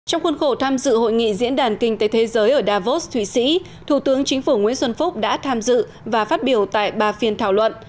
trong khuôn khổ tham dự hội nghị diễn đàn kinh tế thế giới ở davos thụy sĩ thủ tướng chính phủ nguyễn xuân phúc đã tham dự và phát biểu tại ba phiên thảo luận